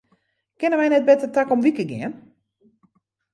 Kinne wy net better takom wike gean?